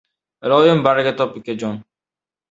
— Iloyim baraka top, ukajon!